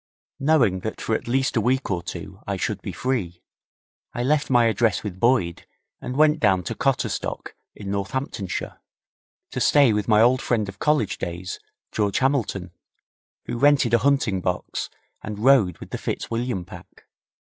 Knowing that for at least a week or two I should be free, I left my address with Boyd, and went down to Cotterstock, in Northamptonshire, to stay with my old friend of college days, George Hamilton, who rented a hunting box and rode with the Fitzwilliam Pack.